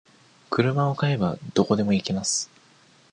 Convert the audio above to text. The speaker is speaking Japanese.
車を買えば、どこでも行けます。